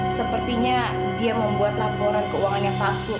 sepertinya dia membuat laporan keuangan yang pasuk